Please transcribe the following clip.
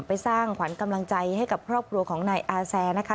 สร้างขวัญกำลังใจให้กับครอบครัวของนายอาแซนะคะ